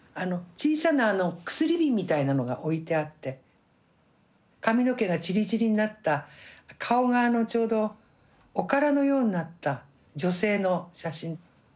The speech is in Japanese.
小さな薬瓶みたいなのが置いてあって髪の毛がチリチリになった顔がちょうどおからのようになった女性の写真。